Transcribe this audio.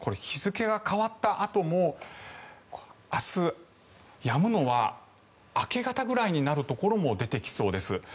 日付が変わったあとも明日、やむのは明け方ぐらいになるところも出てきそうです。